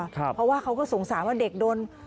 เพราะว่าเขาก็สงสารว่าเด็กโดน